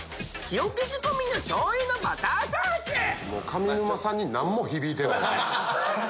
上沼さんに何も響いてない。